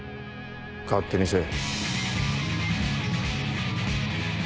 勝手にせぇ。